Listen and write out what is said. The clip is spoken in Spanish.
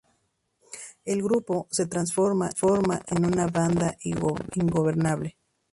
El grupo se transforma en una banda ingobernable.